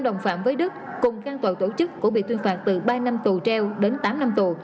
đồng phạm với đức cùng can tội tổ chức cũng bị tuyên phạt từ ba năm tù treo đến tám năm tù